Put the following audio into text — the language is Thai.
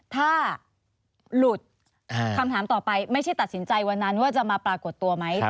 ถ้าหลุดคำถามต่อไปไม่ใช่ตัดสินใจวันนั้นว่าจะมาปรากฏตัวไหม